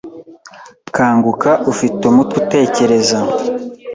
Kanguka ufite umutwe utekereza